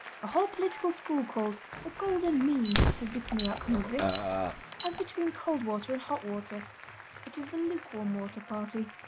A whole political school called "the golden mean" has been the outcome of this. As between cold water and hot water, it is the lukewarm water party.